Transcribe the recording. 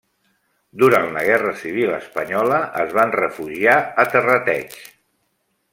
Durant la Guerra Civil Espanyola es van refugiar a Terrateig.